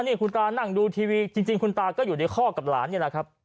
นี่คุณตานั่งดูทีวีจริงคุณตาก็อยู่ในคอกกับหลานนี่แหละครับ